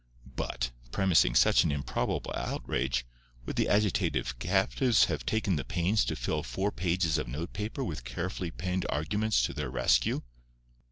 But, premising such an improbable outrage, would the agitated captives have taken the pains to fill four pages of note paper with carefully penned arguments to their rescue.